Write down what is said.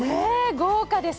豪華です。